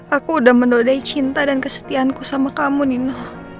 aku udah menodai cinta dan kesetiaanku sama kamu nino